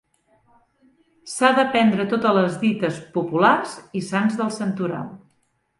S'ha d'aprendre totes les dites populars i sants del santoral.